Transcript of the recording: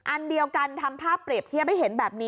อันเดียวกันทำภาพเปรียบเทียบให้เห็นแบบนี้